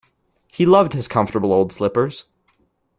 He loved his comfortable old slippers.